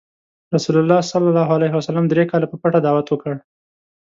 رسول الله ﷺ دری کاله په پټه دعوت وکړ.